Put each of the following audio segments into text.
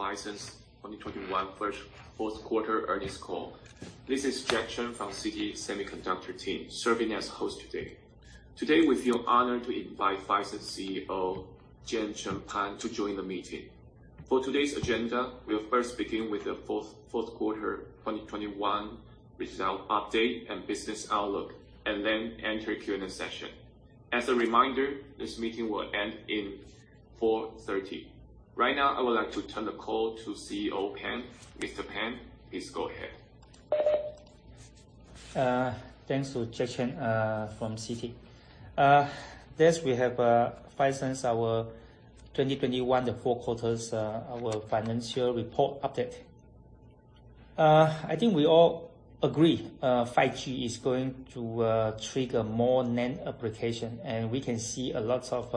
Phison's 2021 fourth quarter earnings call. This is Jack Chen from CT Semiconductor team, serving as host today. Today we feel honored to invite Phison's CEO, Khein-Seng Pua, to join the meeting. For today's agenda, we'll first begin with the fourth quarter 2021 results update and business outlook, and then enter Q&A session. As a reminder, this meeting will end at 4:30 P.M. Right now, I would like to turn the call to CEO Pua. Mr. Pua, please go ahead. Thanks to Jack Chen from CT. Yes, we have Phison's 2021 four quarters financial report update. I think we all agree 5G is going to trigger more NAND application, and we can see a lot of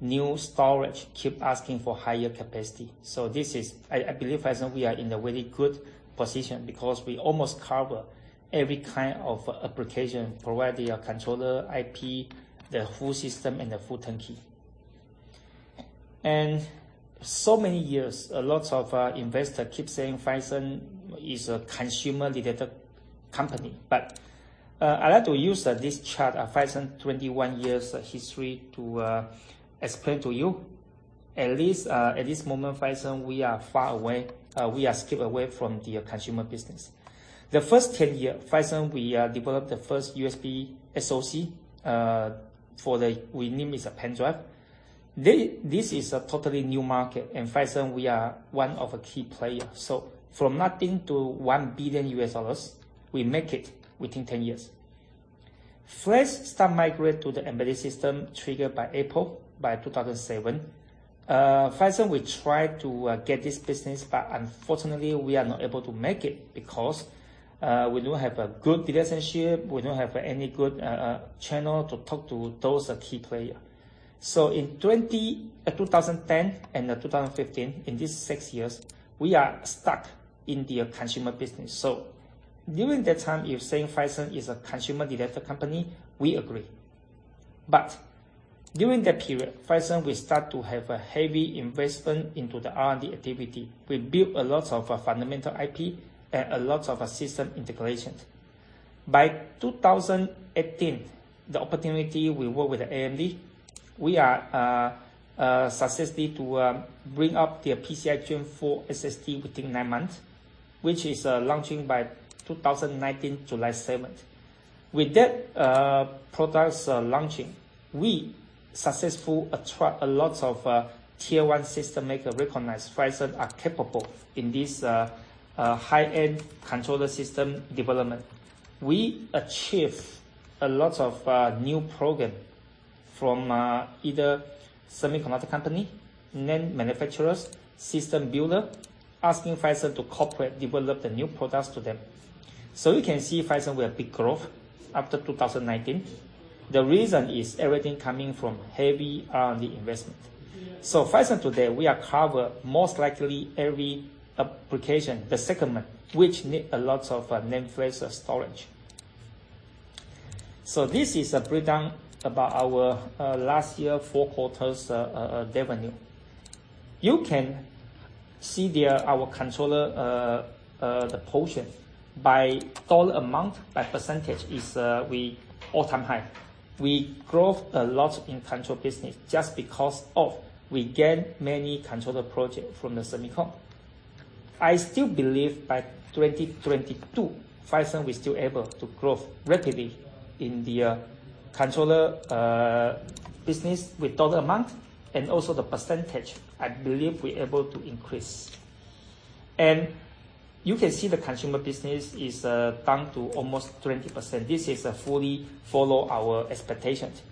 new storage keep asking for higher capacity. This is. I believe Phison we are in a very good position because we almost cover every kind of application, provide the controller IP, the full system and the full turnkey. Many years, a lot of investors keep saying Phison is a consumer-related company. I'd like to use this chart of Phison 21 years history to explain to you. At least at this moment, Phison we are far away skipping away from the consumer business. The first 10 years, Phison, we developed the first USB SoC for the we named it a pen drive. This is a totally new market, and Phison, we are one of the key players. From nothing to $1 billion, we make it within 10 years. First, we started to migrate to the embedded system triggered by Apple in 2007. Phison, we tried to get this business, but unfortunately we are not able to make it because we don't have a good relationship, we don't have any good channel to talk to those key player. In 2010 and 2015, in this six years, we are stuck in the consumer business. During that time, if saying Phison is a consumer-related company, we agree. During that period, Phison, we start to have a heavy investment into the R&D activity. We built a lot of fundamental IP and a lot of system integrations. By 2018, the opportunity we work with the AMD, we are successfully to bring up the PCIe Gen4 SSD within nine months, which is launching by 2019, July 7th. With that products launching, we successful attract a lot of tier one system maker recognize Phison are capable in this high-end controller system development. We achieve a lot of new program from either semiconductor company, NAND manufacturers, system builder, asking Phison to corporate develop the new products to them. We can see Phison will be growth after 2019. The reason is everything coming from heavy R&D investment. Phison today, we cover most likely every application, the segment which needs a lot of NAND flash storage. This is a breakdown about our last year four quarters revenue. You can see there our controller the portion by dollar amount, by percentage is an all-time high. We grow a lot in controller business just because we gain many controller projects from the semicon. I still believe by 2022, Phison will still be able to grow rapidly in the controller business with dollar amount and also the percentage, I believe we're able to increase. You can see the consumer business is down to almost 20%. This fully follows our expectations.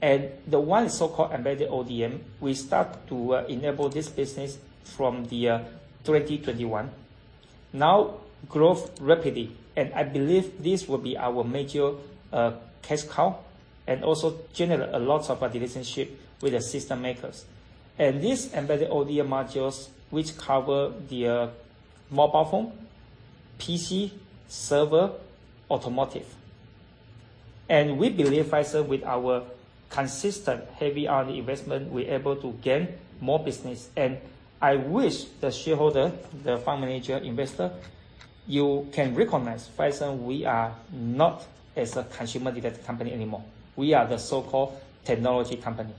The so-called embedded ODM, we start to enable this business from the 2021. Now growth rapidly, and I believe this will be our major, cash cow and also generate a lot of relationship with the system makers. This embedded ODM modules which cover the, mobile phone, PC, server, automotive. We believe Phison, with our consistent heavy R&D investment, we're able to gain more business. I wish the shareholder, the fund manager, investor, you can recognize Phison, we are not as a consumer-related company anymore. We are the so-called technology company.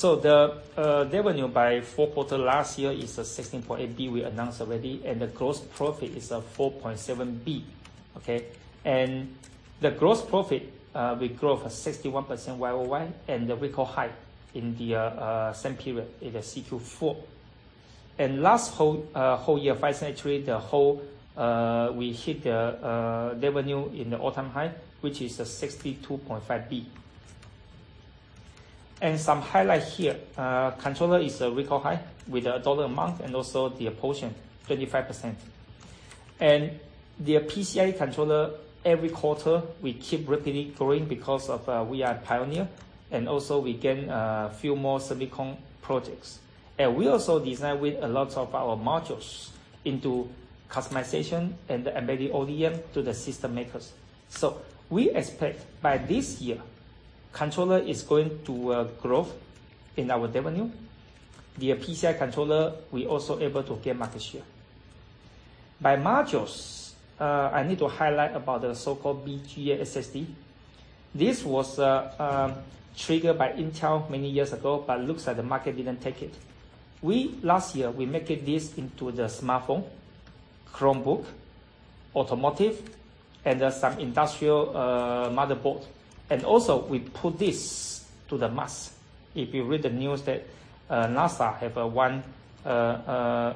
The revenue by fourth quarter last year is 16.8 billion, we announced already, and the gross profit is 4.7 billion. The gross profit we grow for 61% YOY, and the record high in the same period in the Q4. Last year, Phison actually we hit the revenue in the all-time high, which is 62.5 billion. Some highlight here, controller is a record high with the dollar amount and also the portion, 35%. The PCIe controller, every quarter we keep rapidly growing because of we are pioneer, and also we gain a few more semicon projects. We also design with a lot of our modules into customization and embedded ODM to the system makers. We expect by this year, controller is going to grow in our revenue. The PCIe controller, we also able to gain market share. By modules, I need to highlight about the so-called BGA SSD. This was triggered by Intel many years ago, but looks like the market didn't take it. Last year, we make this into the smartphone, Chromebook, automotive, and some industrial motherboard. We also put this to Mars. If you read the news that NASA has one, the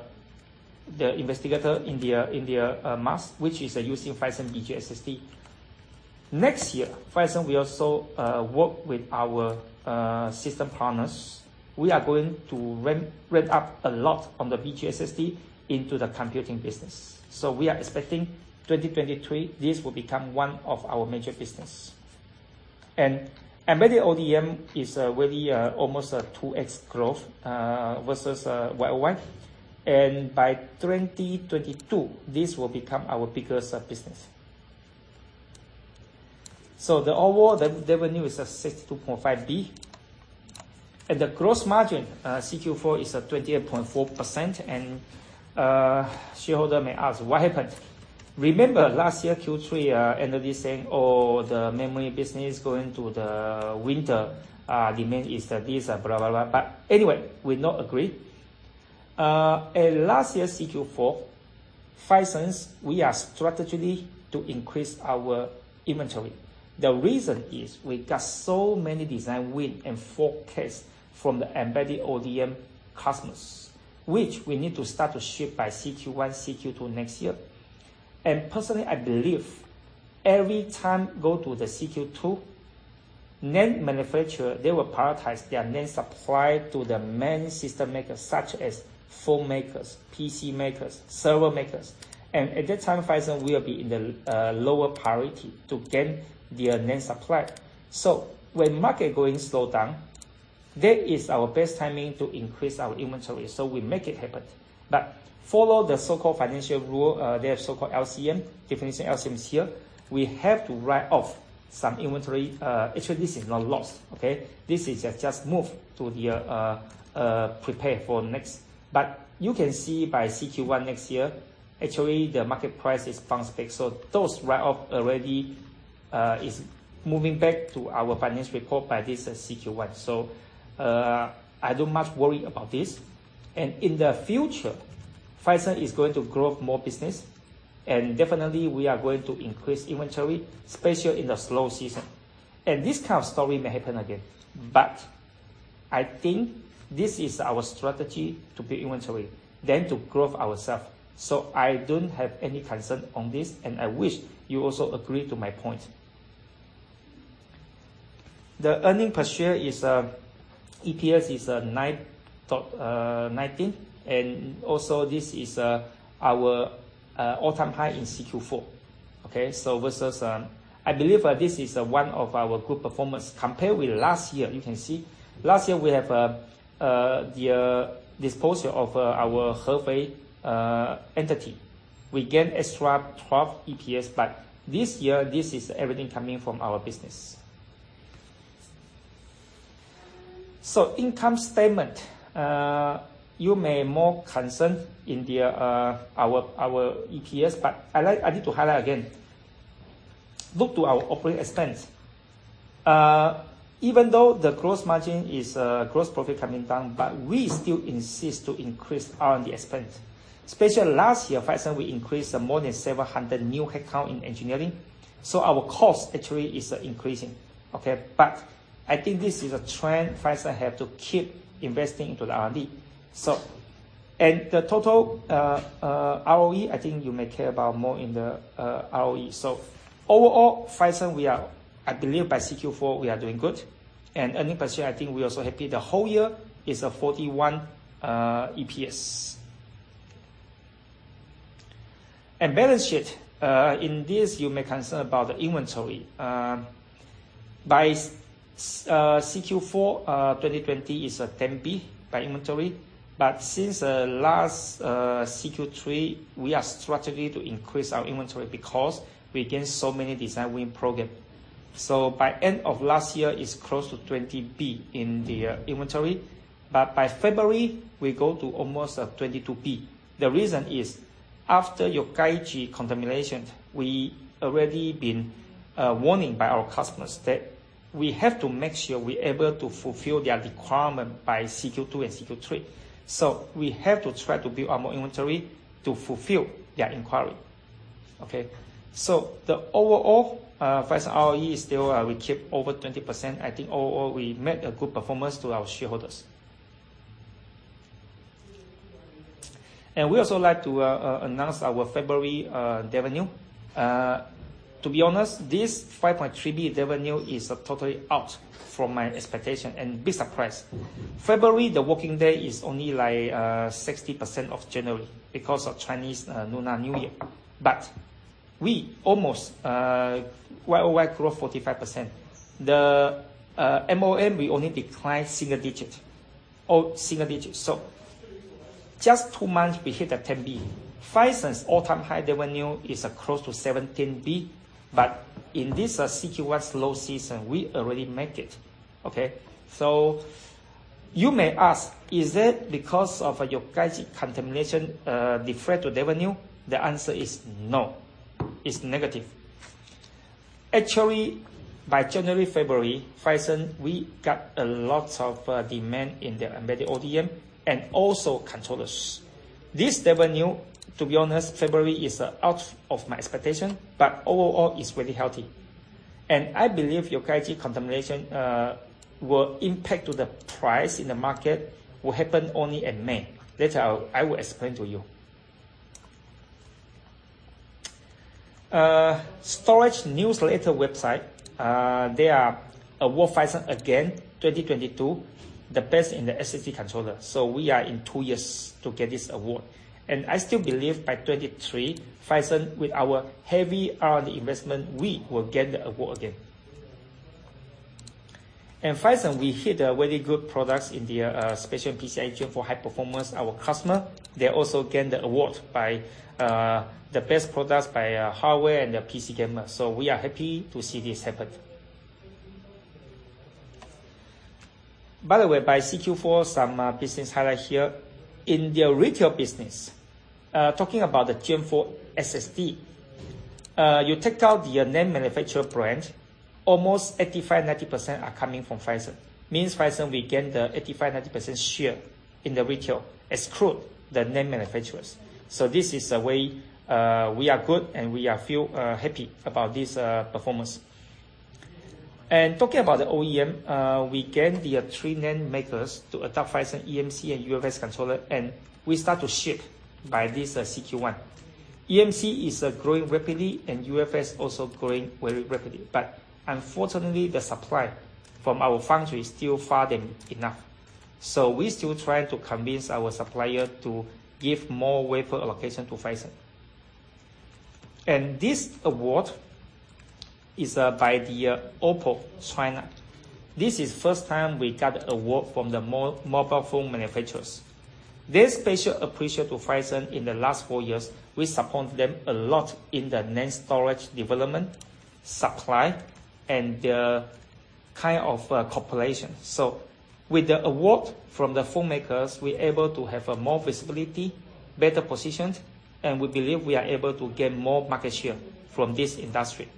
Perseverance rover on Mars, which is using Phison BGA SSD. Next year, Phison will also work with our system partners. We are going to ramp up a lot on the BGA SSD into the computing business. We are expecting 2023, this will become one of our major business. Embedded ODM is already almost a 2x growth versus YOY. By 2022, this will become our biggest business. The overall revenue is at 62.5 billion. The gross margin Q4 is at 28.4%. Shareholder may ask, "What happened?" Remember last year Q3, analysts saying, "Oh, the memory business is going to the winter, demand is this, blah, blah." Anyway, we not agree. Last year CQ4, Phison, we are strategically to increase our inventory. The reason is we got so many design win and forecast from the embedded ODM customers, which we need to start to ship by CQ1, CQ2 next year. Personally, I believe every time go to the CQ2, NAND manufacturer, they will prioritize their NAND supply to the main system makers such as phone makers, PC makers, server makers. At that time, Phison will be in the lower priority to gain their NAND supply. When market going slow down, that is our best timing to increase our inventory, so we make it happen. Follow the so-called financial rule, their so-called LCM. Definition of LCM is here. We have to write off some inventory. Actually this is not lost, okay? This is just moved to prepare for next. You can see by Q1 next year, actually the market price is bounced back. Those write-off already is moving back to our finance report by this Q1. I don't much worry about this. In the future, Phison is going to grow more business and definitely we are going to increase inventory, especially in the slow season. This kind of story may happen again. I think this is our strategy to build inventory than to grow ourselves. I don't have any concern on this, and I wish you also agree to my point. The earnings per share is EPS is NTD 9.19, and also this is our all-time high in Q4. Okay? Versus, I believe, this is one of our good performance compared with last year. You can see last year we have the disposal of our Hefei entity. We gain extra 12 EPS, but this year, this is everything coming from our business. Income statement, you may be more concerned in the our EPS, but I need to highlight again. Look to our operating expense. Even though the gross margin is gross profit coming down, but we still insist to increase R&D expense. Especially last year, Phison, we increased more than 700 new headcount in engineering. Our cost actually is increasing, okay? I think this is a trend Phison have to keep investing into the R&D. And the total ROE, I think you may care about more in the ROE. Overall, Phison, I believe by CQ4 we are doing good. Earnings per share, I think we're also happy. The whole year is 41 EPS. Balance sheet, in this you may be concerned about the inventory. By CQ4 2020 is 10 billion in inventory. Since last CQ3, we have a strategy to increase our inventory because we gain so many design win program. By end of last year, it's close to 20 billion in the inventory. By February, we go to almost 22 billion. The reason is, after Yokkaichi contamination, we already been warning by our customers that we have to make sure we're able to fulfill their requirement by CQ2 and CQ3. We have to try to build our more inventory to fulfill their inquiry, okay? The overall Phison ROE is still we keep over 20%. I think overall, we met a good performance to our shareholders. We also like to announce our February revenue. To be honest, this 5.3 billion revenue is totally out from my expectation and big surprise. February, the working day is only like 60% of January because of Chinese Lunar New Year. We almost YOY grow 45%. The MOM, we only decline single digit. All single digits. Just two months, we hit the 10 billion. Phison all-time high revenue is up to 17 billion. In this Q1 slow season, we already make it. Okay? You may ask, is it because of your Yokkaichi contamination deferred revenue? The answer is no. It's negative. Actually, by January, February, Phison, we got a lot of demand in the embedded ODM and also controllers. This revenue, to be honest, February is out of my expectation, but overall is very healthy. I believe Yokkaichi contamination will impact to the price in the market will happen only in May. Later, I will explain to you. Storage newsletter website, they award Phison again 2022, the best in the SSD controller. We are in two years to get this award. I still believe by 2023, Phison, with our heavy R&D investment, we will get the award again. Phison, we hit a very good products in the special PCIe Gen4 high performance. Our customer, they also get the award by the best products by hardware and the PC gamer. We are happy to see this happen. By the way, by Q4, some business highlight here. In the retail business, talking about the Gen4 SSD, you take out the NAND manufacturer brand, almost 85%-90% are coming from Phison. Means Phison, we get the 85%-90% share in the retail, exclude the NAND manufacturers. This is a way we are good, and we are feel happy about this performance. Talking about the OEM, we get the three NAND makers to adopt Phison eMMC and UFS controller, and we start to ship by this Q1. eMMC is growing rapidly, and UFS also growing very rapidly. Unfortunately, the supply from our factory is still far from enough. We still try to convince our supplier to give more wafer allocation to Phison. This award is by OPPO China. This is the first time we got an award from the mobile phone manufacturers. They especially appreciate Phison in the last four years. We support them a lot in the NAND storage development, supply, and the kind of cooperation. With the award from the phone makers, we're able to have more visibility, better positions, and we believe we are able to get more market share from this industry.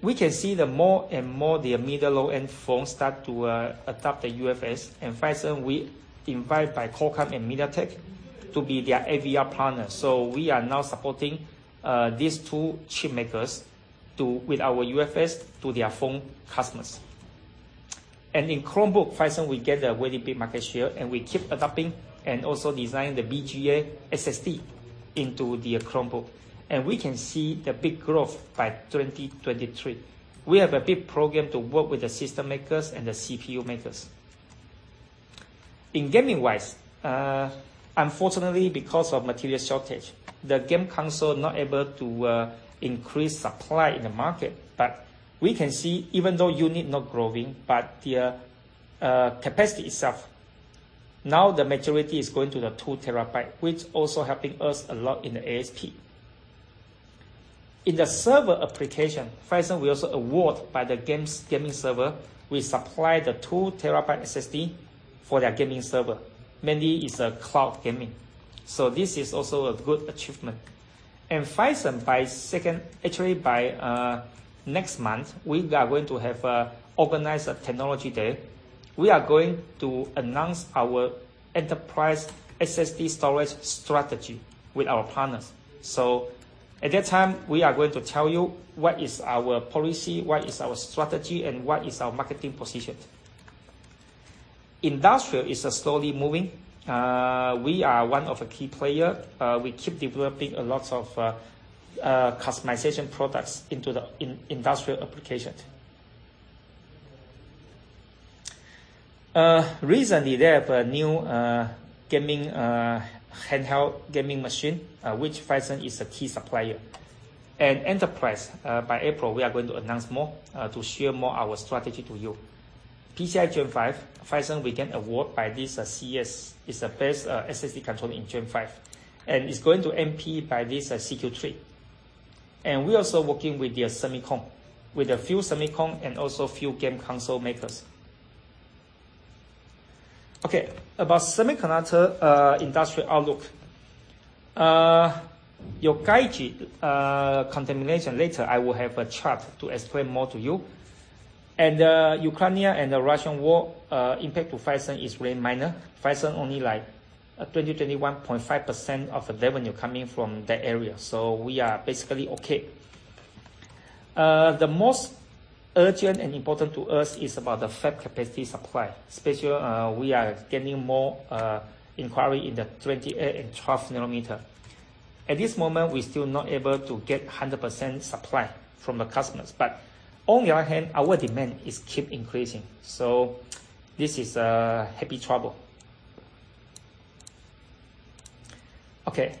We can see more and more the middle low-end phones start to adopt the UFS. Phison, we are invited by Qualcomm and MediaTek to be their AVL partner. We are now supporting these two chip makers with our UFS to their phone customers. In Chromebook, Phison, we get a very big market share, and we keep adapting and also design the BGA SSD into the Chromebook. We can see the big growth by 2023. We have a big program to work with the system makers and the CPU makers. Gaming-wise, unfortunately, because of material shortage, the game console is not able to increase supply in the market. We can see even though units not growing, the capacity itself, now the majority is going to the 2 TB SSD, which also is helping us a lot in the ASP. In the server application, Phison, we are also awarded for the gaming server. We supply the 2 TB SSD for their gaming server. Mainly it's cloud gaming. This is also a good achievement. Phison, actually, by next month, we are going to organize a technology day. We are going to announce our enterprise SSD storage strategy with our partners. At that time, we are going to tell you what is our policy, what is our strategy, and what is our marketing position. Industrial is slowly moving. We are one of the key players. We keep developing a lot of customization products into the industrial applications. Recently, they have a new gaming handheld gaming machine, which Phison is a key supplier. Enterprise, by April, we are going to announce more to share more our strategy to you. PCIe Gen5, Phison, we get award by this CES. It's the best SSD controller in Gen5, and it's going to MP by this Q3. We're also working with the semiconductor, with a few semiconductor and also a few game console makers. Okay, about semiconductor industrial outlook. Yokkaichi contamination, later I will have a chart to explain more to you. Ukrainian and the Russian war impact to Phison is very minor. Phison only like 20%-21.5% of the revenue coming from that area. We are basically okay. The most urgent and important to us is about the fab capacity supply, especially we are getting more inquiry in the 20-nm and 12-nm At this moment, we're still not able to get 100% supply from the customers. On the other hand, our demand keeps increasing. This is happy trouble. Okay.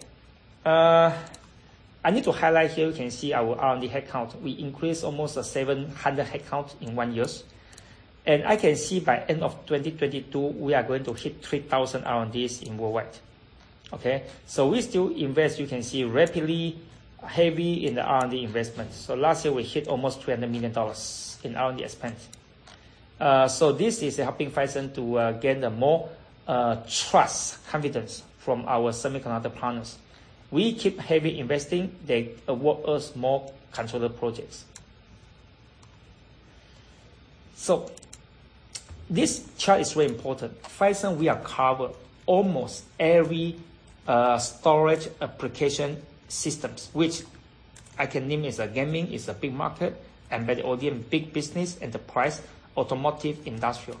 I need to highlight here, you can see our R&D headcount. We increased almost 700 headcount in one year. I can see by end of 2022, we are going to hit 3,000 R&Ds worldwide. We still invest, you can see rapidly, heavy in the R&D investment. Last year, we hit almost $200 million in R&D expense. This is helping Phison to gain the more trust, confidence from our semiconductor partners. We keep heavy investing. They award us more controller projects. This chart is very important. Phison, we cover almost every storage application systems, which I can name is gaming is a big market, embedded ODM, big business, enterprise, automotive, industrial.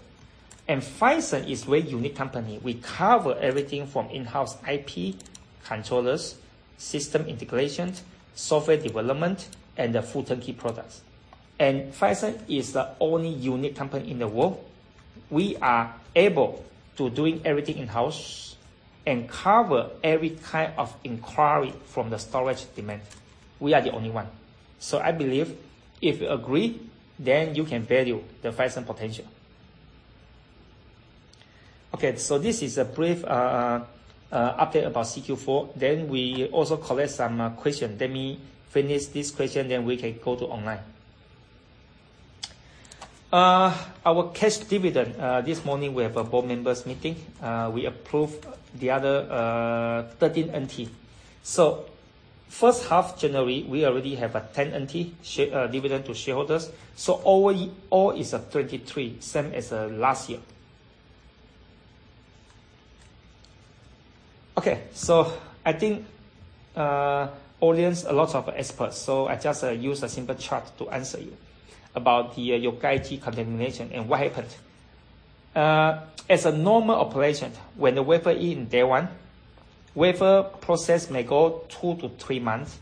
Phison is very unique company. We cover everything from in-house IP, controllers, system integrations, software development, and the full turnkey products. Phison is the only unique company in the world. We are able to doing everything in-house and cover every kind of inquiry from the storage demand. We are the only one. I believe if you agree, then you can value the Phison potential. Okay, this is a brief update about Q4. We also collect some question. Let me finish this question, we can go to online. Our cash dividend, this morning we have a board members meeting. We approved the other NTD 13. First half January, we already have a NTD 10 dividend to shareholders. Overall is 23, same as last year. Okay. I think audience a lot of experts, so I just use a simple chart to answer you about the Yokkaichi contamination and what happened. As a normal operation, when the wafer in day one, wafer process may go two to three months.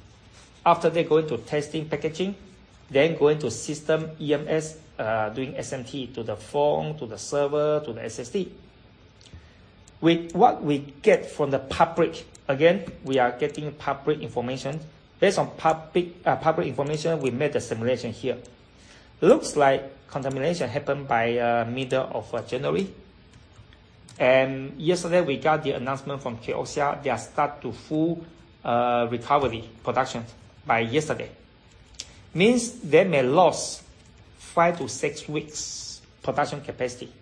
After they go into testing, packaging, then go into system EMS, doing SMT to the phone, to the server, to the SSD. What we get from the public, again, we are getting public information. Based on public information, we made a simulation here. Looks like contamination happened by middle of January. Yesterday, we got the announcement from KIOXIA, they are start to full recovery production by yesterday. Means they may lose five to six weeks production capacity.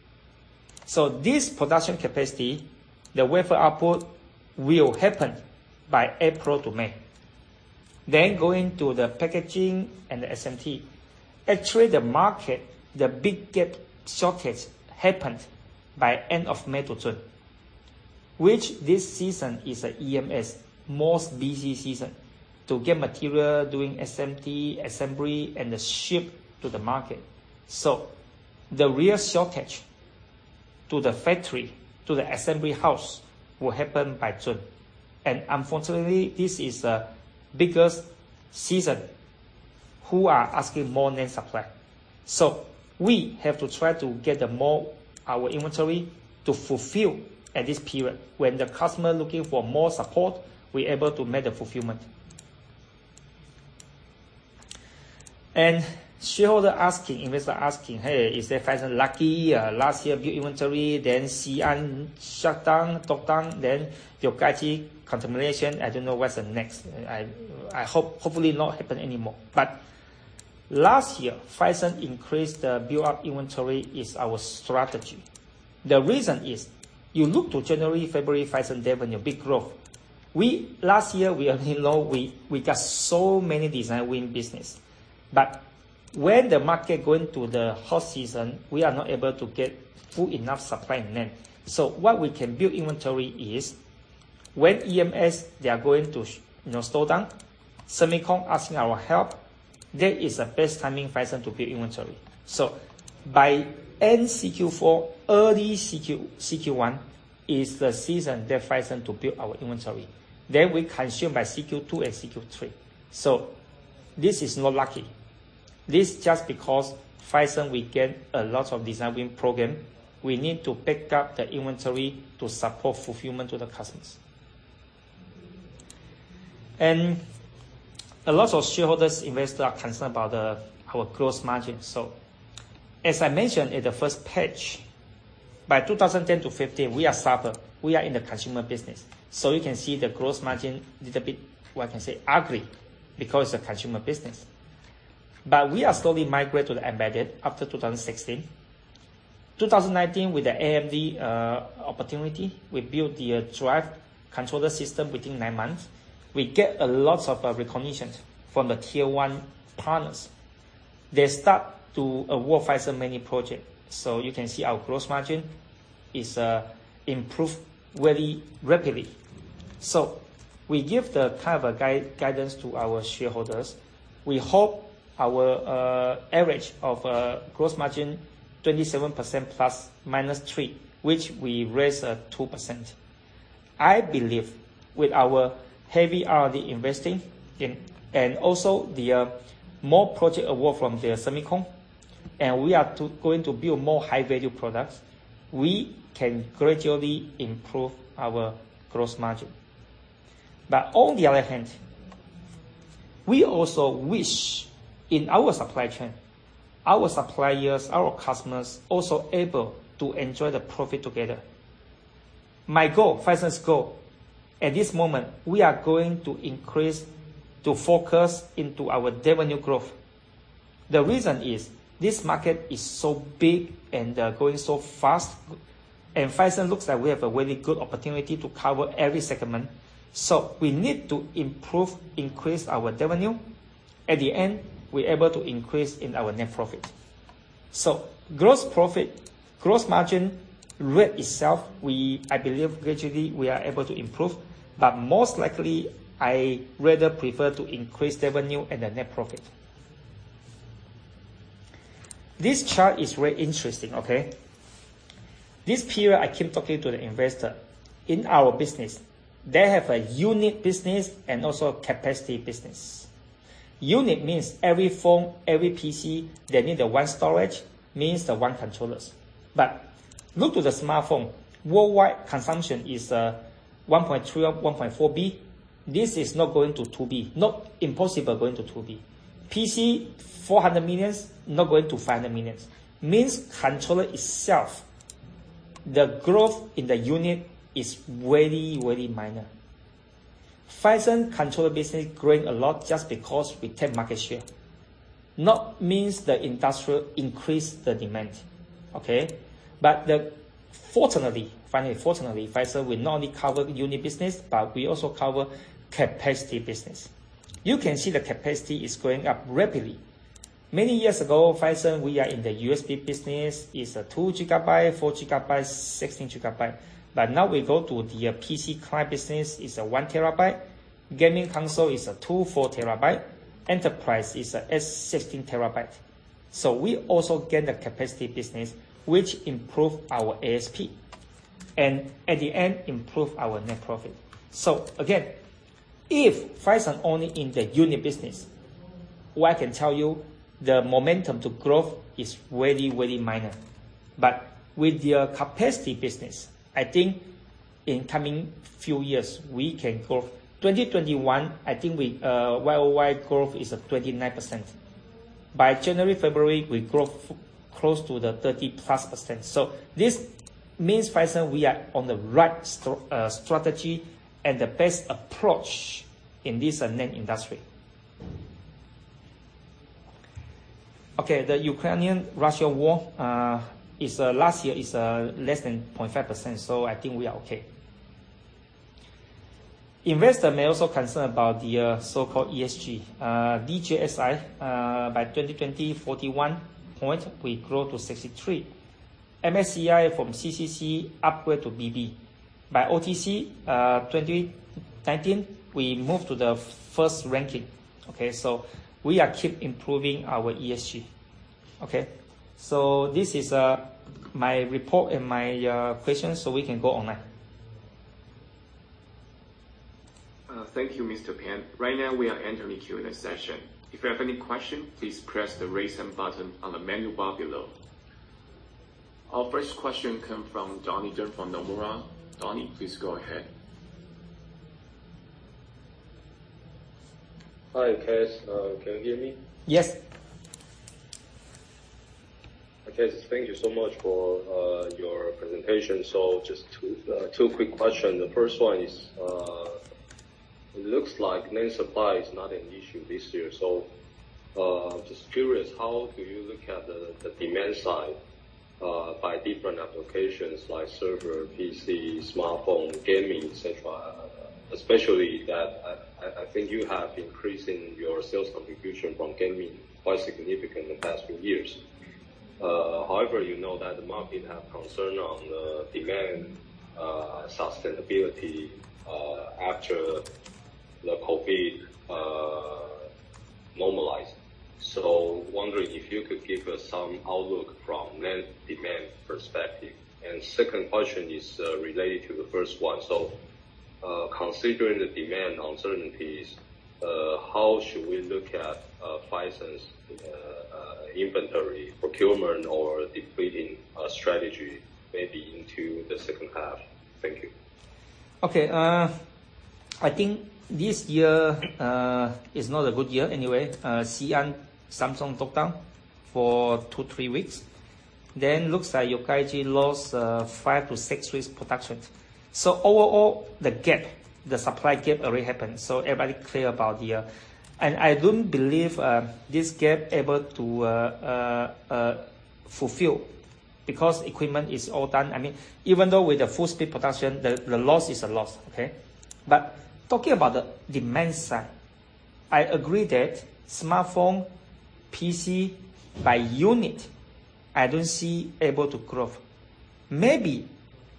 This production capacity, the wafer output will happen by April to May. Going to the packaging and the SMT. Actually, the market, the big gap shortage happened by end of May to June, which this season is a EMS most busy season to get material, doing SMT, assembly, and then ship to the market. The real shortage to the factory, to the assembly house will happen by June. Unfortunately, this is the biggest season who are asking more than supply. We have to try to get the more our inventory to fulfill at this period. When the customer looking for more support, we're able to make the fulfillment. Shareholder asking, investor asking, "Hey, is the Phison lucky? Last year build inventory, then Xi'an shut down, took down, then Yokkaichi contamination." I don't know what's the next. I hope, hopefully not happen anymore. Last year, Phison increased the build up inventory is our strategy. The reason is you look to January, February, Phison revenue, big growth. Last year, we already know we got so many design win business. But when the market going to the hot season, we are not able to get full enough supply in the end. So what we can build inventory is when EMS, they are going to, you know, slow down, semicon asking our help, that is the best timing Phison to build inventory. So by end CQ4, early CQ, CQ1 is the season that Phison to build our inventory. Then we consume by CQ2 and CQ3. So this is not lucky. This just because Phison, we get a lot of design win program. We need to pick up the inventory to support fulfillment to the customers. A lot of shareholders, investors are concerned about the, our gross margin. As I mentioned in the first page, by 2010 to 2015, we are startup. We are in the consumer business. You can see the gross margin little bit, what I can say, ugly because it's a consumer business. We are slowly migrate to the embedded after 2016. 2019 with the AMD opportunity, we built the drive controller system within nine months. We get a lot of recognition from the tier one partners. They start to award Phison many project. You can see our gross margin is improved very rapidly. We give the kind of a guidance to our shareholders. We hope our average of gross margin 27% ±3%, which we raise 2%. I believe with our heavy R&D investing and also the more project award from the semicon, and we are going to build more high-value products, we can gradually improve our gross margin. On the other hand, we also wish in our supply chain, our suppliers, our customers, also able to enjoy the profit together. My goal, Phison's goal, at this moment, we are going to increase to focus into our revenue growth. The reason is this market is so big and growing so fast, and Phison looks like we have a very good opportunity to cover every segment. We need to improve, increase our revenue. At the end, we're able to increase in our net profit. Gross profit, gross margin rate itself, I believe gradually we are able to improve, but most likely I rather prefer to increase revenue and the net profit. This chart is very interesting, okay? This period I keep talking to the investor. In our business they have a unit business and also a capacity business. Unit means every phone, every PC, they need the one storage, means the one controllers. But look to the smartphone. Worldwide consumption is 1.2B, 1.4B. This is not going to 2B. Not impossible going to 2B. PC, 400 million, not going to 500 million. Means controller itself, the growth in the unit is very, very minor. Phison controller business growing a lot just because we take market share. Not means the industry increase the demand, okay? But the... Fortunately, Phison, we not only cover unit business, but we also cover capacity business. You can see the capacity is going up rapidly. Many years ago, Phison, we are in the USB business. It's a 2 GB, 4 GB, 16 GB. But now we go to the PC client business. It's a 1 TB. Gaming console is a 2 TB, 4 TB. Enterprise is a 16 TB. So we also get the capacity business, which improve our ASP and at the end improve our net profit. If Phison only in the unit business, what I can tell you, the momentum to growth is very, very minor. With the capacity business, I think in coming few years we can grow. 2021, I think we YOY growth is 29%. By January, February, we grow close to the 30+%. This means Phison, we are on the right strategy and the best approach in this NAND industry. Okay. The Ukraine-Russia war last year is less than 0.5%, so I think we are okay. Investors may also be concerned about the so-called ESG. DJSI by 2020, 41, we grow to 63. MSCI from CCC upgrade to BB. By OTC, 2019, we move to the first ranking. Okay. We keep improving our ESG. Okay? This is my report and my question, so we can go online. Thank you, Mr. Pua. Right now we are entering Q&A session. If you have any question, please press the Raise Hand button on the menu bar below. Our first question come from Donnie Teng from Nomura. Donnie, please go ahead. Hi, K.S. Can you hear me? Yes. Okay. Thank you so much for your presentation. Just two quick questions. The first one is, it looks like NAND supply is not an issue this year. Just curious, how do you look at the demand side by different applications like server, PC, smartphone, gaming, etc, especially that I think you have increasing your sales contribution from gaming quite significant in the past few years. However, you know that the market have concern on the demand sustainability after the COVID normalize. Wondering if you could give us some outlook from NAND demand perspective. Second question is related to the first one. Considering the demand uncertainties, how should we look at Phison's inventory procurement or depleting strategy maybe into the second half? Thank you. Okay. I think this year is not a good year anyway. Xi'an, Samsung took down for two to three weeks. Looks like Yokkaichi lost five to six weeks production. Overall, the gap, the supply gap already happened, so everybody clear about the. I don't believe this gap able to fulfill because equipment is all done. I mean, even though with the full speed production, the loss is a loss, okay? Talking about the demand side, I agree that smartphone, PC by unit I don't see able to grow. Maybe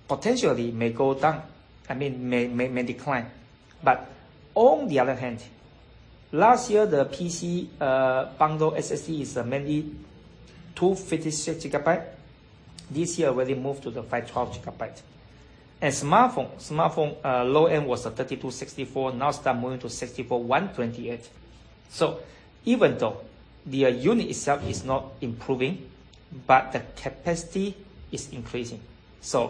potentially may go down. I mean, may decline. On the other hand, last year the PC bundle SSD is mainly 256 GB. This year already moved to the 512 GB. Smartphone low end was 32 GB-64 GB, now start moving to 64 GB-128 GB. Even though the unit itself is not improving, but the capacity is increasing.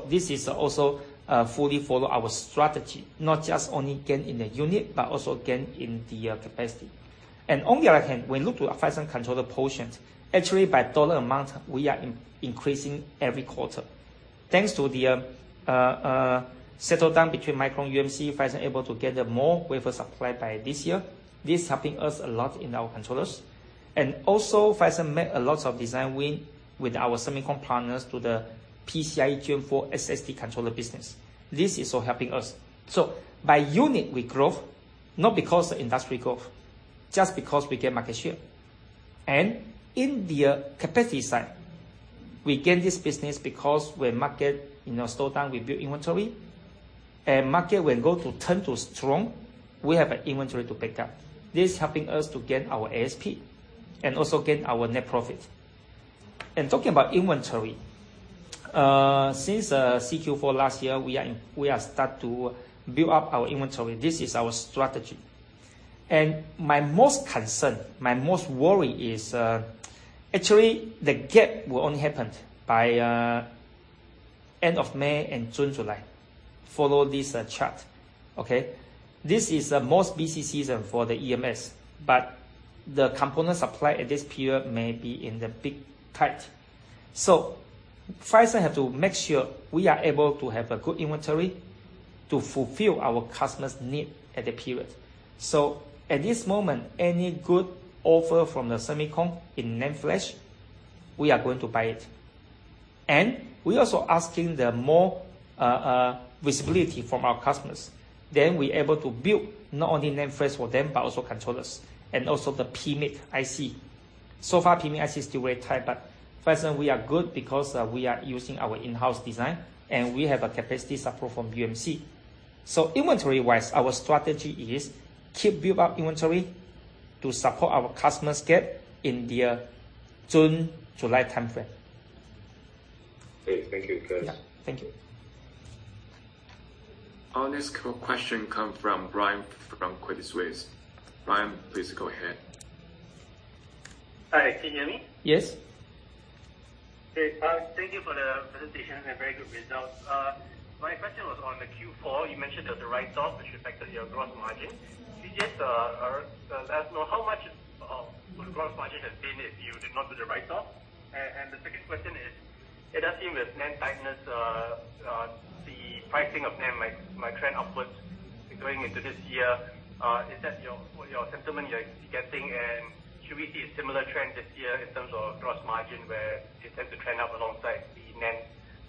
This is also fully follow our strategy, not just only gain in the unit, but also gain in the capacity. On the other hand, when you look to the Phison controller portion, actually by dollar amount, we are increasing every quarter. Thanks to the settle down between Micron UMC, Phison able to get a more wafer supply by this year. This is helping us a lot in our controllers. Also, Phison make a lot of design win with our semiconductor partners to the PCIe Gen4 SSD controller business. This is also helping us. By unit, we growth not because the industry growth, just because we gain market share. In the capacity side, we gain this business because when market, you know, slow down, we build inventory. Market when go to turn to strong, we have an inventory to back up. This is helping us to gain our ASP and also gain our net profit. Talking about inventory, since Q4 last year, we start to build up our inventory. This is our strategy. My most concern, my most worry is, actually the gap will only happen by end of May and June, July. Follow this chart. Okay. This is the most busy season for the EMS, but the component supply at this period may be in the big tight. So Phison have to make sure we are able to have a good inventory to fulfill our customers' need at the period. At this moment, any good offer from the semicon in NAND flash, we are going to buy it. We're also asking for more visibility from our customers. We're able to build not only NAND flash for them, but also controllers and also the PMIC IC. So far, PMIC IC is still very tight, but Phison, we are good because we are using our in-house design, and we have a capacity support from UMC. Inventory-wise, our strategy is to keep building up inventory to support our customers' gap in the June-July timeframe. Okay. Thank you, Pua. Yeah. Thank you. Our next question comes from Brian from Credit Suisse. Brian, please go ahead. Hi, can you hear me? Yes. Okay. Thank you for the presentation and very good results. My question was on the Q4. You mentioned there was a write-off which affected your gross margin. Could you just let us know how much the gross margin has been if you did not do the write-off? The second question is, it does seem with NAND tightness, the pricing of NAND might trend upwards going into this year. Is that your sentiment you're getting? Should we see a similar trend this year in terms of gross margin where it tends to trend up alongside the NAND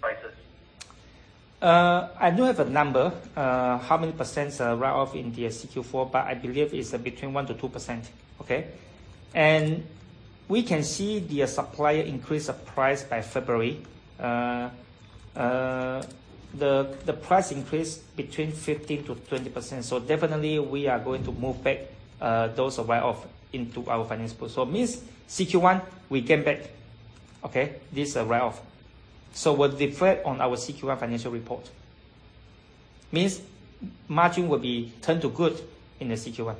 prices? I don't have a number, how many percent write-off in the Q4, but I believe it's between 1%-2%. Okay? We can see the supplier increase the price by February. The price increase between 15%-20%. Definitely we are going to move back those write-offs into our financial. Means Q1 we gain back this write-off. Will reflect on our Q financial report. Means margin will be turned to good in the Q1.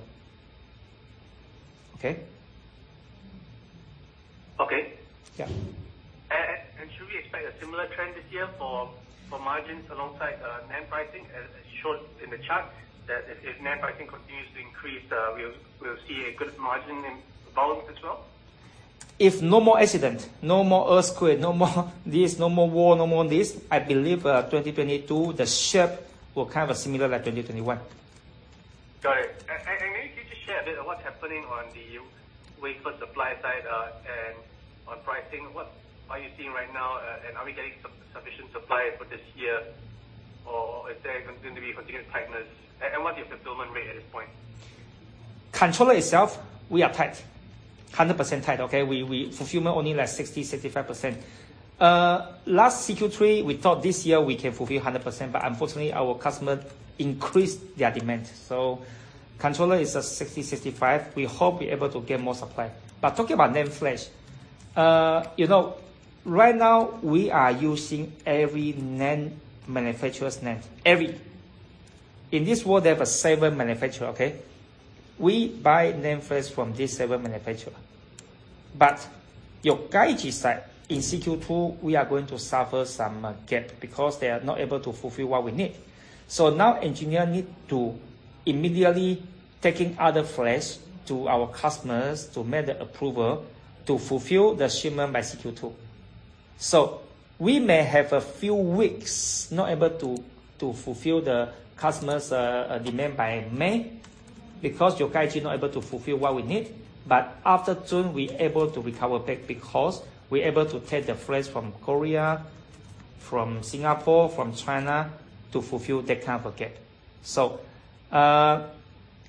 Okay? Okay. Yeah. Should we expect a similar trend this year for margins alongside NAND pricing as shown in the chart? That if NAND pricing continues to increase, we'll see a good margin in volumes as well? If no more accident, no more earthquake, no more this, no more war, no more this, I believe, 2022, the shape will kind of similar like 2021. Got it. Could you just share a bit of what's happening on the wafer supply side, and on pricing. What are you seeing right now, and are we getting sufficient supply for this year? Or is there going to be continued tightness? What's your fulfillment rate at this point? Controller itself, we are tight. 100% tight, okay? We fulfillment only like 60%-65%. Last CQ3, we thought this year we can fulfill 100%, but unfortunately, our customer increased their demand. Controller is at 60%-65%. We hope we're able to get more supply. Talking about NAND flash, you know, right now we are using every NAND manufacturer's NAND. Every. In this world, there are seven manufacturer, okay? We buy NAND flash from these seven manufacturer. Yokkaichi site, in CQ2, we are going to suffer some gap because they are not able to fulfill what we need. Now engineer need to immediately taking other flash to our customers to make the approval to fulfill the shipment by CQ2. We may have a few weeks not able to fulfill the customers' demand by May because Yokkaichi not able to fulfill what we need. After June, we're able to recover back because we're able to take the flash from Korea, from Singapore, from China to fulfill that kind of a gap.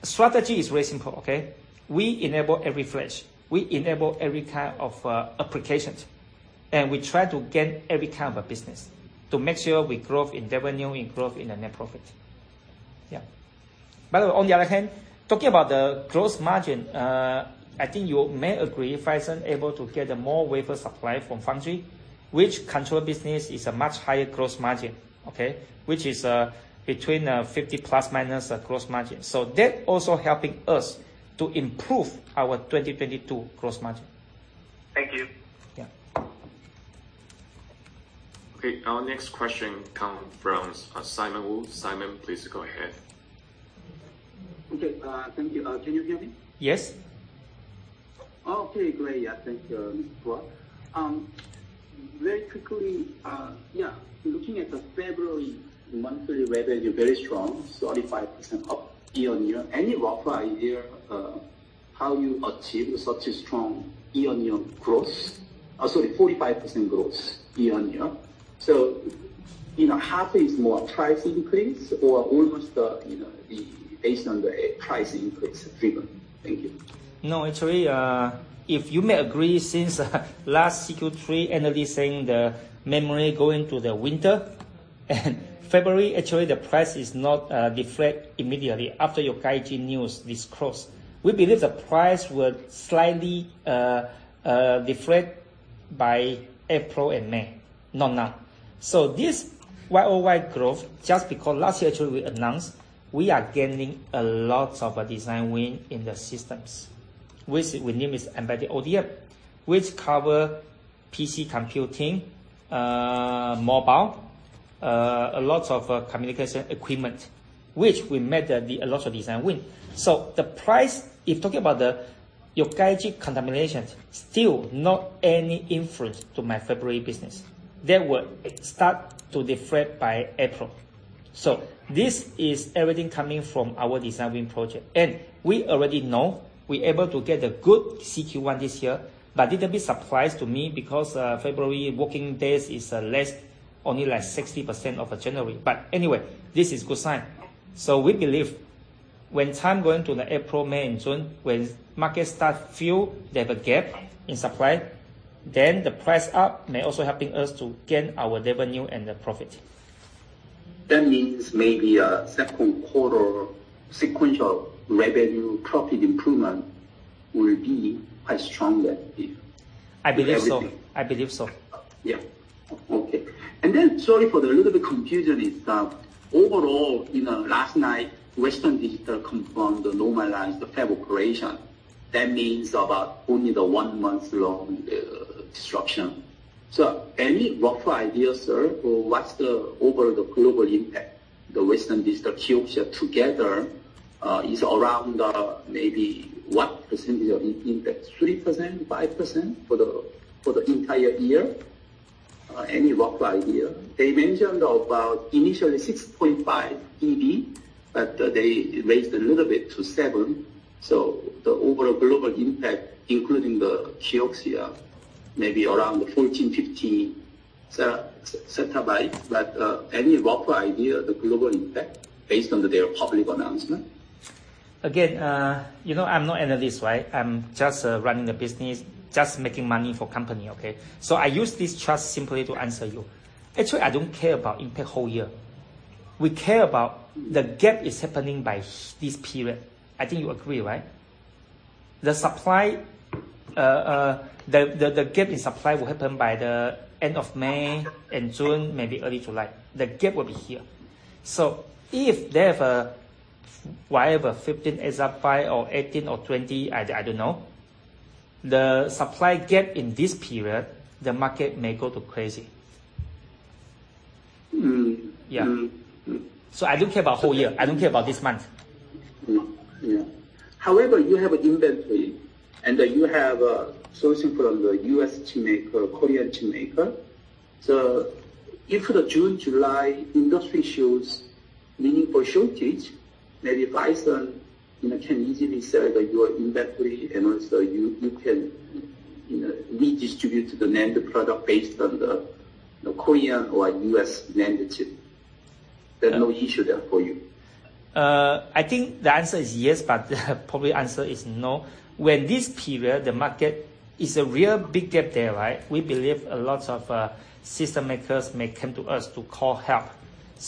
Strategy is very simple, okay? We enable every flash, we enable every kind of applications, and we try to gain every kind of business to make sure we growth in revenue and growth in the net profit. On the other hand, talking about the gross margin, I think you may agree, Phison able to get a more wafer supply from foundry, which controller business is a much higher gross margin, okay? Which is between 50 ± gross margin. That also helping us to improve our 2022 gross margin. Thank you. Yeah. Okay, our next question come from Simon Wu. Simon, please go ahead. Okay. Thank you. Can you hear me? Yes. Okay, great. Yeah. Thank you, Mr. Pua. Very quickly, yeah, looking at the February monthly revenue, very strong, 35% up year-over-year. Any rough idea how you achieve such a strong year-over-year growth? Sorry, 45% growth year-over-year. You know, half is more price increase or almost, you know, the based on the price increase driven. Thank you. No, actually, if you may agree since last Q3, analysts saying the memory go into the winter. February, actually the price is not deflate immediately after Yokkaichi news disclosure. We believe the price will slightly deflate by April and May. Not now. This YoY growth, just because last year actually we announced we are gaining a lot of design win in the systems, which we name is embedded ODM, which cover PC computing, mobile, a lot of communication equipment, which we made a lot of design win. The price, if talking about the Yokkaichi contamination, still not any influence to my February business. That will start to deflate by April. This is everything coming from our design win project. We already know we're able to get a good Q1 this year, but little bit surprise to me because February working days is less, only like 60% of January. Anyway, this is good sign. We believe when time going to the April, May and June, when market start feel they have a gap in supply, then the price up may also helping us to gain our revenue and the profit. That means maybe second quarter sequential revenue profit improvement will be quite strong then if I believe so. Everything. I believe so. Sorry for the little bit confusion, is that overall, you know, last night, Western Digital confirmed normalized the fab operation. That means about only the one-month-long disruption. Any rough idea, sir, what's the overall global impact? Western Digital, KIOXIA together, is around, maybe what percentage of impact? 3%, 5% for the entire year? Any rough idea. They mentioned about initially 6.5 EB, but they raised a little bit to 7 EB. The overall global impact, including the KIOXIA, maybe around 14 EB, 15 EB. Any rough idea of the global impact based on their public announcement? Again, you know I'm not analyst, right? I'm just running the business, just making money for company, okay? I use this trust simply to answer you. Actually, I don't care about impact whole year. We care about the gap is happening by this period. I think you agree, right? The supply, the gap in supply will happen by the end of May and June, maybe early July. The gap will be here. If they have whatever, 15 EB or 18 EB or 20 EB, I don't know, the supply gap in this period, the market may go crazy. Mm. Yeah. Mm. Mm. I don't care about whole year. I don't care about this month. No. Yeah. However, you have inventory, and you have sourcing from the U.S. chipmaker, Korean chipmaker. If the June, July industry shows meaningful shortage, maybe Phison, you know, can easily sell your inventory and also you can, you know, redistribute the NAND product based on the, you know, Korean or U.S. NAND chip. There are no issue there for you. I think the answer is yes, but probably the answer is no. When this period, the market is a real big gap there, right? We believe a lot of system makers may come to us to call for help.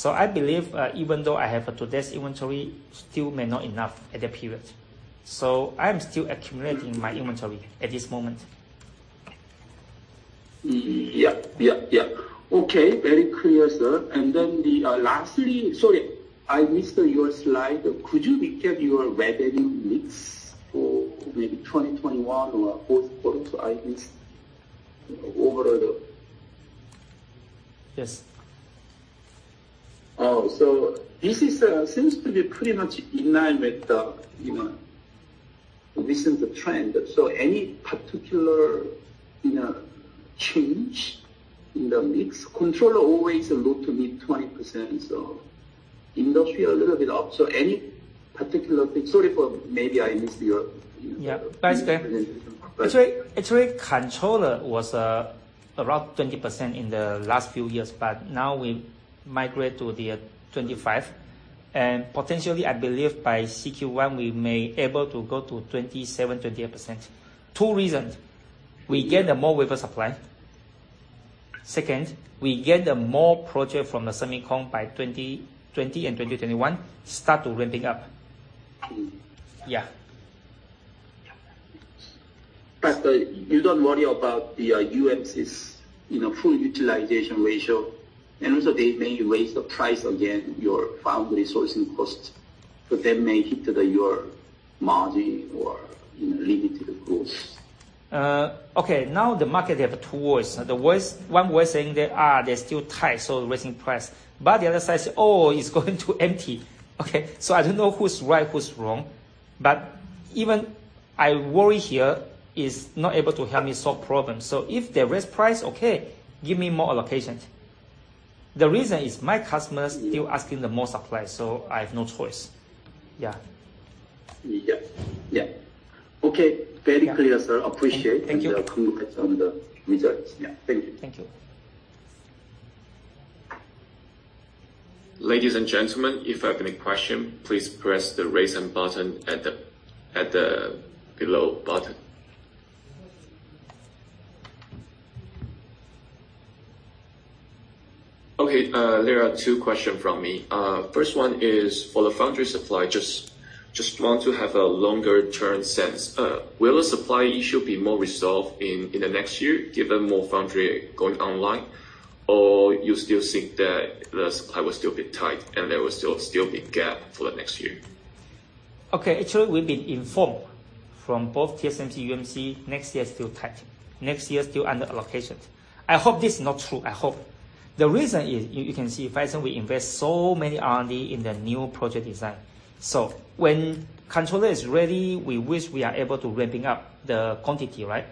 I believe, even though I have today's inventory, still may not be enough at that period. I'm still accumulating my inventory at this moment. Yep. Okay. Very clear, sir. Lastly, sorry, I missed your slide. Could you recap your revenue mix for maybe 2021 or fourth quarter? I missed overall the- Yes. Oh, so this seems to be pretty much in line with the, you know, recent trend. Any particular, you know, change in the mix? Controller always look to be 20%. Industrial a little bit up. Any particular. Sorry for maybe I missed your. Yeah. That's fair. Presentation. Actually, controller was around 20% in the last few years, but now we migrate to the 25%. Potentially, I believe by Q1, we may able to go to 27%-28%. Two reasons. We get a more wafer supply. Second, we get the more project from the semiconductor by 2020 and 2021 start to ramping up. Mm-hmm. Yeah. You don't worry about the UMC's full utilization ratio, and also they may raise the price again, your foundry sourcing costs. They may hit your margin or limit the growth. Okay. Now the market have two voices. One voice saying that, "They're still tight, so raising price." The other side say, "Oh, it's going to empty." Okay? I don't know who's right, who's wrong. Even I worry here is not able to help me solve problems. If they raise price, okay, give me more allocations. The reason is my customers still asking the more supply, so I have no choice. Yeah. Yeah. Yeah. Okay. Very clear, sir. Appreciate. Thank you. Congrats on the results. Yeah. Thank you. Thank you. Ladies and gentlemen, if you have any question please press the Raise Hand button on the menu bar below. Okay, there are two question from me. First one is, for the foundry supply, just want to have a longer-term sense. Will the supply issue be more resolved in the next year given more foundry going online? Or you still think that the supply will still be tight and there will still be gap for the next year? Okay. Actually, we've been informed from both TSMC, UMC, next year is still tight. Next year is still under allocations. I hope this is not true. I hope. The reason is you can see, Phison, we invest so many R&D in the new project design. When controller is ready, we wish we are able to ramping up the quantity, right?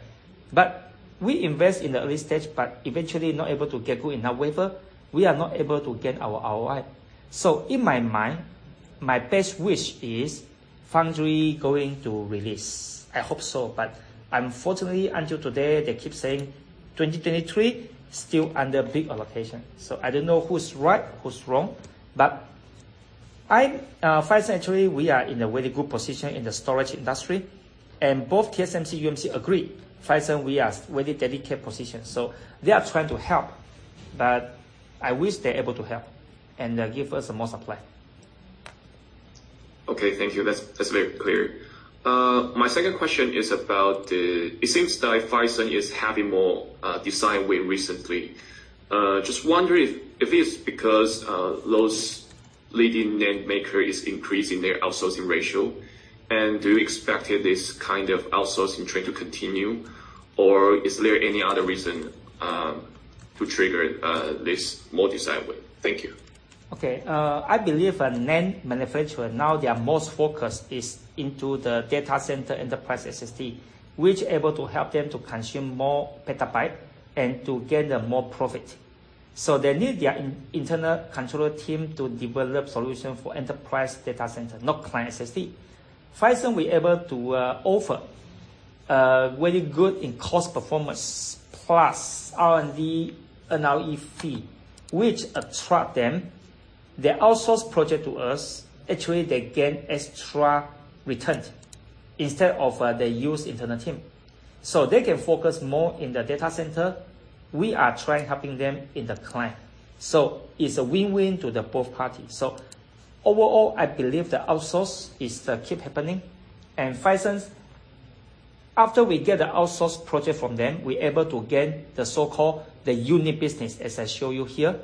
But we invest in the early stage, but eventually not able to get good enough wafer. We are not able to get our ROI. In my mind, my best wish is foundry going to release. I hope so, but unfortunately, until today, they keep saying 2023 still under big allocation. I don't know who's right, who's wrong. But I'm Phison actually we are in a very good position in the storage industry, and both TSMC, UMC agree, Phison we are very delicate position. They are trying to help, but I wish they're able to help and give us more supply. Okay. Thank you. That's very clear. My second question is about. It seems that Phison is having more design win recently. Just wondering if it is because those leading NAND maker is increasing their outsourcing ratio. Do you expect this kind of outsourcing trend to continue, or is there any other reason to trigger this more design win? Thank you. Okay. I believe a NAND manufacturer now their most focus is into the data center enterprise SSD, which able to help them to consume more petabyte and to get the more profit. They need their internal controller team to develop solution for enterprise data center, not client SSD. Phison, we're able to offer very good in cost performance plus R&D NRE fee, which attract them. They outsource project to us. Actually, they gain extra return instead of they use internal team. They can focus more in the data center. We are trying helping them in the client. It's a win-win to the both parties. Overall, I believe the outsourcing is keep happening. Phison, after we get the outsourcing project from them, we're able to gain the so-called unit business, as I show you here.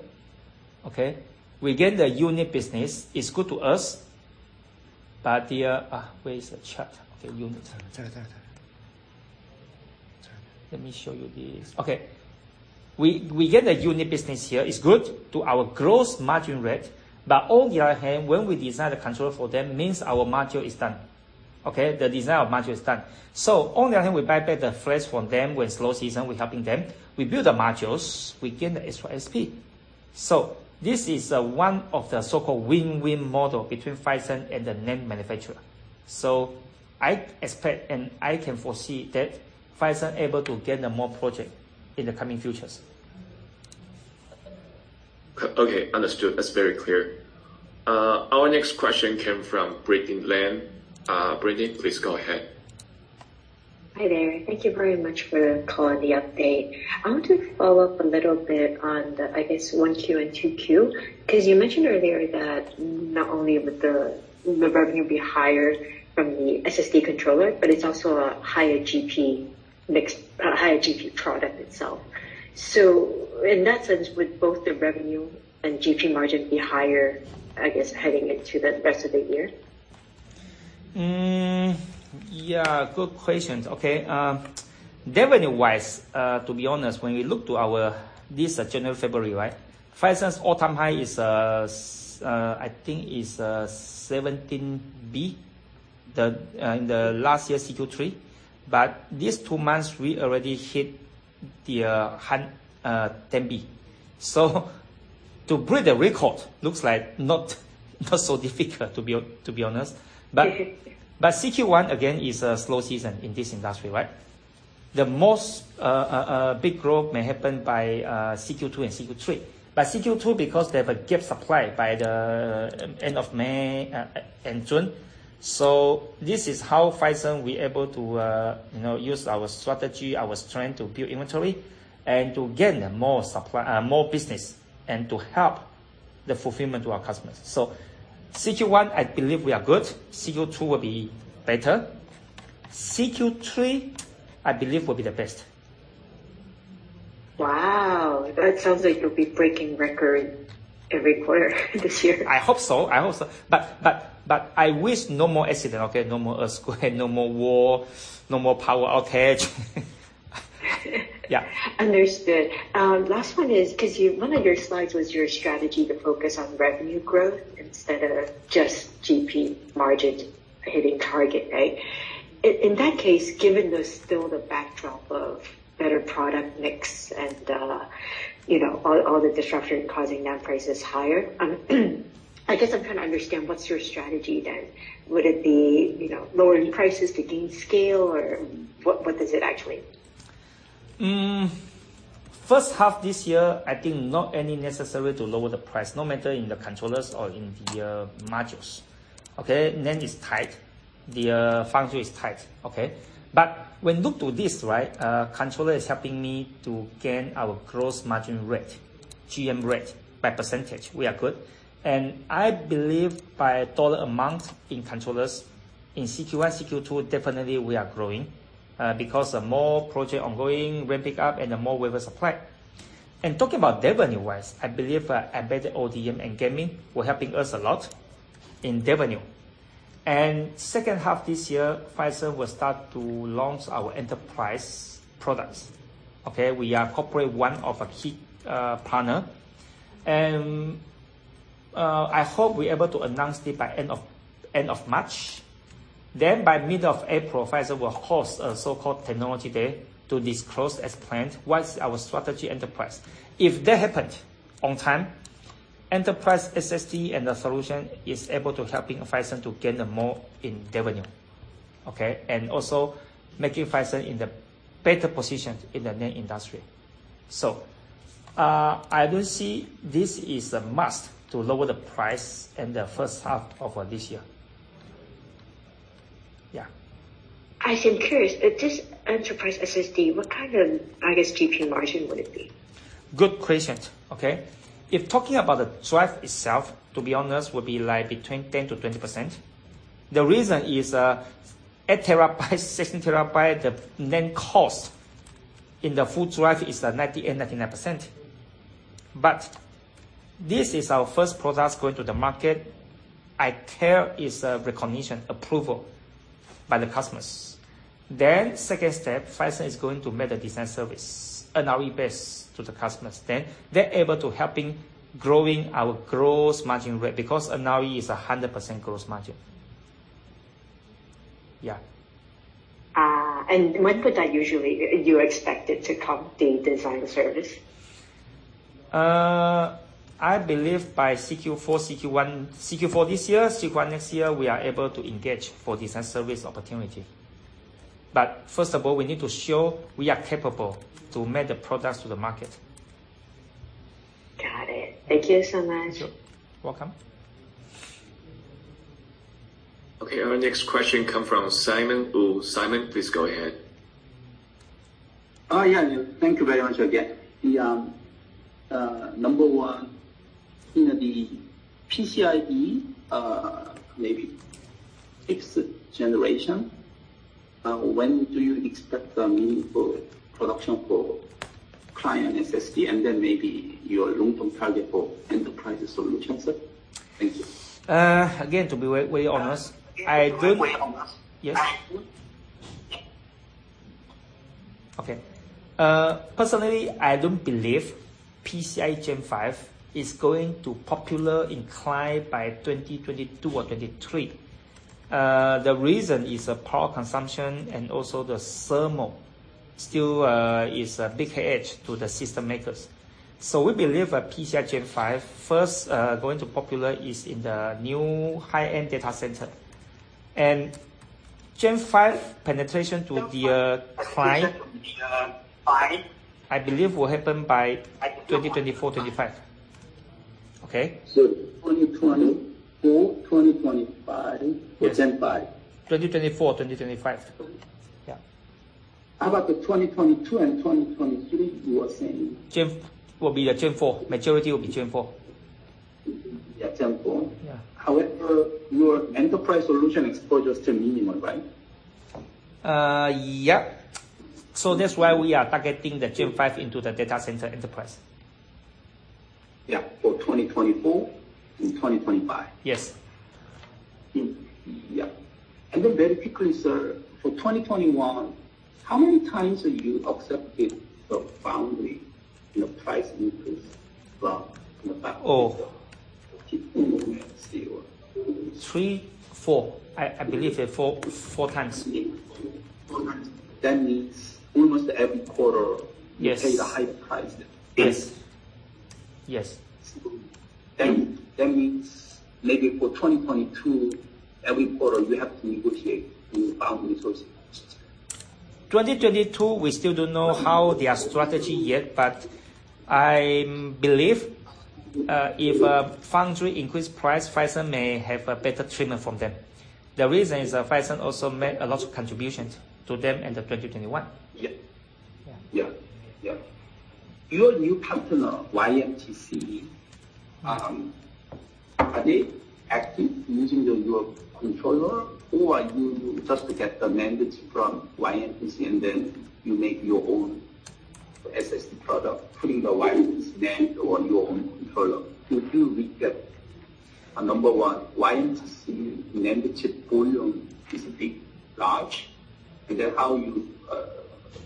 Okay? We gain the unit business. It's good to us. Where is the chart? Okay, unit. Chart. Let me show you this. Okay. We get the unit business here. It's good to our gross margin rate. On the other hand, when we design the controller for them, means our module is done. Okay? The design of module is done. On the other hand, we buy back the flash from them when slow season, we're helping them. We build the modules, we gain the extra SP. This is one of the so-called win-win model between Phison and the NAND manufacturer. I expect, and I can foresee that Phison able to get the more project in the coming futures. Okay. Understood. That's very clear. Our next question came from Brittany Lin. Brittany, please go ahead. Hi there. Thank you very much for the call and the update. I want to follow up a little bit on the, I guess, 1Q and 2Q. 'Cause you mentioned earlier that not only would the revenue be higher from the SSD controller, but it's also a higher GP mix, higher GP product itself. In that sense, would both the revenue and GP margin be higher, I guess, heading into the rest of the year? Yeah, good questions. Okay. Revenue-wise, to be honest, when we look at this January, February, right? Phison's all-time high is, I think, 17 billion in the last year CQ3. These two months we already hit TWD 10 billion. To break the record looks like not so difficult, to be honest. CQ1, again, is a slow season in this industry, right? The biggest growth may happen by CQ2 and CQ3. CQ2 because they have a supply gap by the end of May and June. This is how Phison we're able to, you know, use our strategy, our strength to build inventory and to gain more supply, more business and to help the fulfillment to our customers. Q1 I believe we are good. Q2 will be better. Q3, I believe will be the best. Wow. That sounds like you'll be breaking record every quarter this year. I hope so. I wish no more accident, okay? No more earthquake, no more war, no more power outage. Yeah. Understood. Last one is, 'cause one of your slides was your strategy to focus on revenue growth instead of just GP margin hitting target, right? In that case, given there's still the backdrop of better product mix and, you know, all the disruption causing net prices higher, I guess I'm trying to understand what's your strategy then. Would it be, you know, lowering prices to gain scale or what is it actually? First half this year, I think it's not necessary to lower the price. No matter in the controllers or in the modules. Okay? NAND is tight. The foundry is tight. Okay? But when look to this, right, controller is helping me to gain our gross margin rate, GM rate by percentage. We are good. I believe by dollar amount in controllers, in Q1, Q2, definitely we are growing. Because of more projects ongoing, ramped up, and the more wafer supply. Talking about revenue-wise, I believe, embedded ODM and gaming were helping us a lot in revenue. Second half this year, Phison will start to launch our enterprise products. Okay? We are cooperating with one of the key partners. I hope we're able to announce it by end of March. By middle of April, Phison will host a so-called technology day to disclose as planned what's our enterprise strategy. If that happened on time, enterprise SSD and the solution is able to help Phison to gain more revenue. Okay? Also making Phison in a better position in the NAND industry. I don't see this as a must to lower the price in the first half of this year. I am curious. With this enterprise SSD, what kind of, I guess, GP margin would it be? Good question. Okay. If talking about the drive itself, to be honest, would be like between 10%-20%. The reason is, 8 TB, 16 TB, the NAND cost in the full drive is, 98%-99%. This is our first product going to the market. I care is the recognition, approval by the customers. Second step, Phison is going to make the design service, NRE-based to the customers. They're able to helping growing our gross margin rate, because NRE is a 100% gross margin. Yeah. When do you usually expect it to come, the design service? I believe by Q4 this year, Q1 next year, we are able to engage for design service opportunity. First of all, we need to show we are capable to make the products to the market. Got it. Thank you so much. You're welcome. Okay. Our next question comes from Simon Wu. Simon, please go ahead. Oh, yeah. Thank you very much again. Number one, you know, the PCIe next generation, when do you expect meaningful production for client SSD, and then maybe your long-term target for enterprise solutions? Thank you. Again, to be very honest, I don't. To be very honest. Yes. I- Okay. Personally, I don't believe PCIe Gen 5 is going to popular in client by 2022 or 2023. The reason is the power consumption and also the thermal issue is a big hurdle to the system makers. We believe that PCIe Gen 5, first, going to popular is in the new high-end data center. Gen 5 penetration to the client- Gen 5 I believe will happen by 2024-2025. Okay? So 2024, 2025 Yes. For Gen 5. 2024, 2025. 2025. Yeah. How about the 2022 and 2023 you were saying? Gen 5 will be the Gen 4. Majority will be Gen 4. The Gen 4. Yeah. However, your enterprise solution exposure is still minimal, right? Yep. That's why we are targeting the Gen 5 into the data center enterprise. Yeah. For 2024 and 2025. Yes. Yeah. Very quickly, sir. For 2021, how many times have you accepted the foundry, you know, price increase from the factory? Oh. 3x, 4x. I believe 4x. 4x. That means almost every quarter. Yes. You pay the high price then. Yes. Yes. That means maybe for 2022, every quarter you have to negotiate with foundry sources. 2022, we still don't know how their strategy yet, but I believe, if foundry increase price, Phison may have a better treatment from them. The reason is that Phison also made a lot of contributions to them in the 2021. Yeah. Your new partner, YMTC, are they actively using your controller or are you just to get the NAND from YMTC and then you make your own SSD product, putting the YMTC NAND on your own controller? Do we get number one, YMTC NAND chip volume is big, large. Is that how you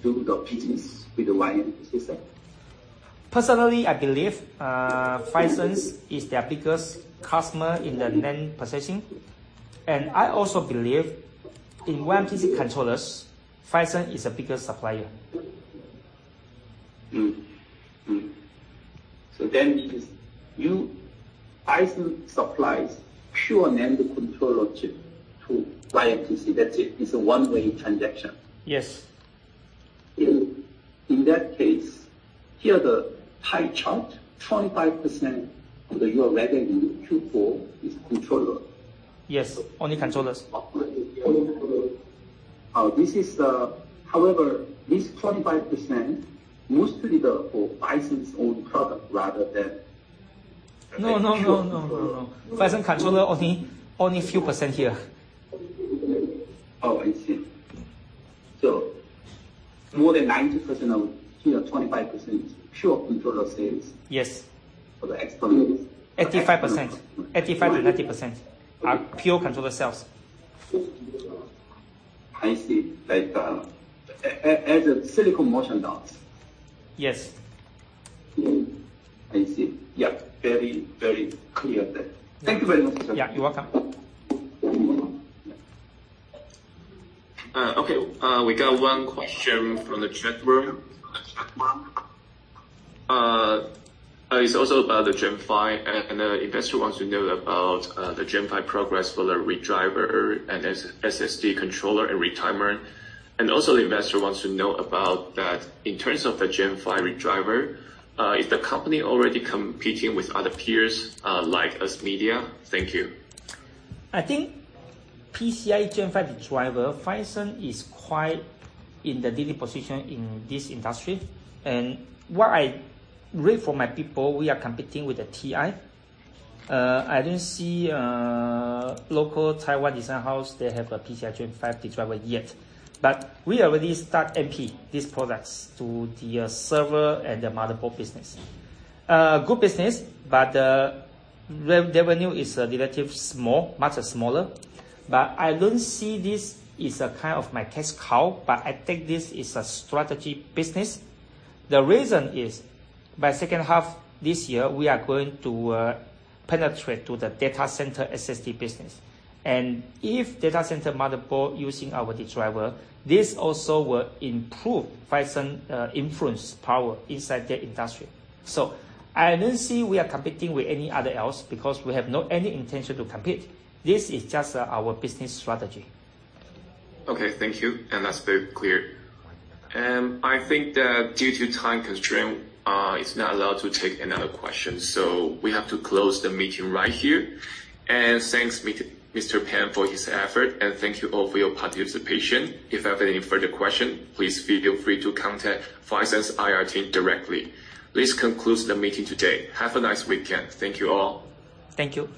do the business with the YMTC? Personally, I believe Phison is their biggest customer in the NAND processing. I also believe in YMTC controllers, Phison is the biggest supplier. Phison supplies pure NAND controller chip to YMTC. That's it. It's a one-way transaction. Yes. In that case, here the pie chart, 25% of your revenue in Q4 is controller. Yes. Only controllers. Okay. Only controller. This is, however, this 25%, mostly though for Phison's own product rather than- No. pure controller. Phison controller only, a few percent here. Oh, I see. More than 90% of, you know, 25% pure controller sales. Yes. For the external sales. 85%. 85%-90% are pure controller sales. I see. Like, as Silicon Motion does. Yes. I see. Yeah. Very, very clear then. Thank you very much. Yeah. You're welcome. Okay. We got one question from the chat room. It's also about the Gen5. The investor wants to know about the Gen 5 progress for the Redriver and SSD controller and Retimer. The investor wants to know about that in terms of a Gen5 Redriver, is the company already competing with other peers, like ASMedia? Thank you. I think PCIe Gen 5 Redriver, Phison is quite in the leading position in this industry. What I read from my people, we are competing with the TI. I didn't see local Taiwan design house, they have a PCIe Gen 5 Redriver yet. We already start MP these products to the server and the motherboard business. Good business, but revenue is relatively small, much smaller. I don't see this as a kind of my cash cow, but I think this is a strategic business. The reason is, by second half this year, we are going to penetrate to the data center SSD business. If data center motherboard using our Redriver, this also will improve Phison influence power inside the industry. I don't see we are competing with any other else because we have no any intention to compete. This is just our business strategy. Okay. Thank you. That's very clear. I think that due to time constraint, it's not allowed to take another question, so we have to close the meeting right here. Thanks Mr. Pua for his effort. Thank you all for your participation. If you have any further question, please feel free to contact Phison's IR team directly. This concludes the meeting today. Have a nice weekend. Thank you all. Thank you.